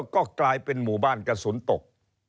ก็กลายเป็นหมู่บ้านกระสุนตก